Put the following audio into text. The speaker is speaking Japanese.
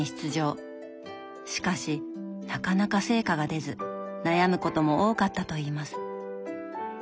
しかしなかなか成果が出ず悩むことも多かったといいます。